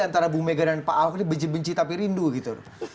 antara bu mega dan pak ahok ini benci benci tapi rindu gitu